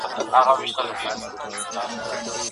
ږیره لرونکي سړي ډوډۍ او مڼه راوړي وه.